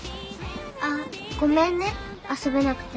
あっごめんね遊べなくて。